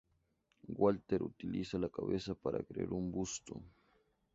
Walter utiliza la cabeza para crear un busto.